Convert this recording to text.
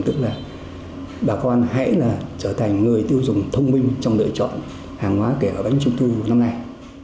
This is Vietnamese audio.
tức là bà con hãy là trở thành người tiêu dùng thông minh trong lựa chọn hàng hóa kể vào bánh trung thu năm nay